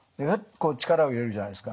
こう力を入れるじゃないですか。